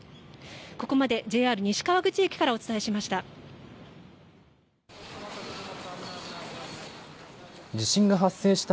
ここまでＪＲ西川口駅からお伝えしました。